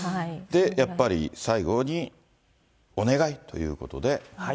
やっぱり、最後にお願いということで。